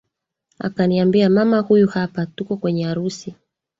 akaniambia mama huyu hapa tuko kwenye arusi